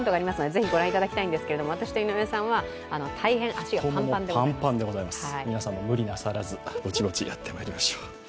是非御覧いただきたいんですけど私と井上さんは皆さんも無理なさらずぼちぼちやっていきましょう。